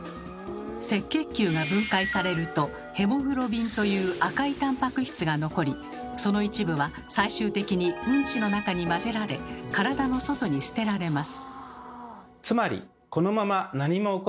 赤血球が分解されるとヘモグロビンという赤いタンパク質が残りその一部は最終的にうんちの中に混ぜられ体の外に捨てられます。